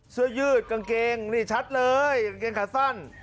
เสื้อยืดกางเกงนี่ชัดเลยกางเกงขาสั้น